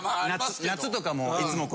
夏とかもいつもこう